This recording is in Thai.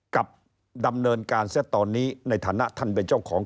กับดำเนินการซะตอนนี้ในฐานะท่านเป็นเจ้าของ